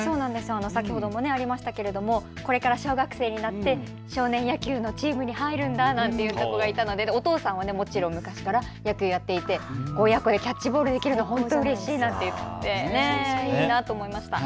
先ほどもありましたけれどもこれから小学生になって少年野球のチームに入るんだなんていう子がいたのでお父さんはもちろん昔から野球をやっていて親子でキャッチボールできるの本当にうれしいと言っていていいなと思いました。